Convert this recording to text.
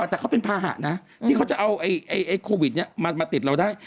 แต่เขาเป็นภาหะนะที่เขาจะเอาโควิดมาติดเราได้